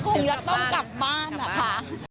คงอยากต้องกลับบ้านล่ะค่ะ